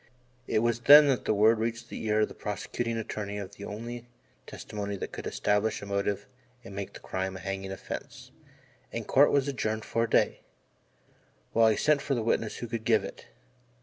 It was then that word reached the ear of the prosecuting attorney of the only testimony that could establish a motive and make the crime a hanging offence, and Court was adjourned for a day, while he sent for the witness who could give it.